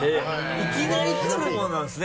いきなりくるものなんですね！